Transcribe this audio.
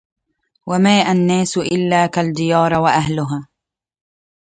وما الناس إلا كالديار وأهلها